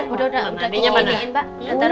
udah udah mbak andin yang mana